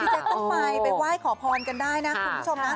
แจ๊กต้องไปไปไหว้ขอพรกันได้นะคุณผู้ชมนะ